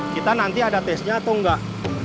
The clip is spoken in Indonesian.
kita nanti ada tesnya atau enggak